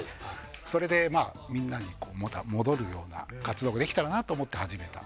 それで、みんなに戻るような活動ができたらなと思って始めました。